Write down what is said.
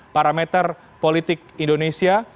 parameter politik indonesia